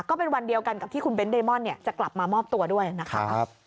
ก็เป็นวันเดียวกันกับที่คุณเบ้นเดมอนจะกลับมามอบตัวด้วยนะคะ